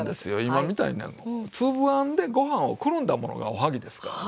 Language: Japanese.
今みたいに粒あんでご飯をくるんだものがおはぎですからね。